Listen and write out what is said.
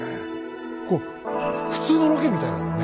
こう普通のロケみたいだもんね。